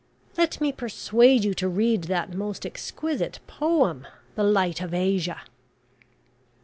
Let me persuade you to read that most exquisite poem `The Light of Asia.'"